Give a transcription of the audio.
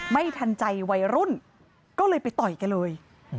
ไม่ทันใจวัยรุ่นก็เลยไปต่อยกันเลย